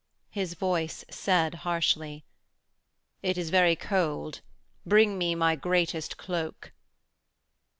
His voice said harshly: 'It is very cold; bring me my greatest cloak.'